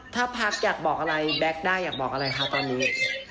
ถ้าพักอยากบอกอะไรแบ็คได้อยากบอกอะไรคะตอนนี้